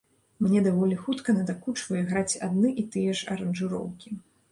Мне даволі хутка надакучвае граць адны і тыя ж аранжыроўкі.